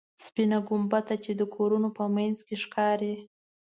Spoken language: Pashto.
سپینه ګنبده چې د کورونو په منځ کې ښکاري.